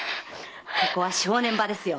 ここは正念場ですよ。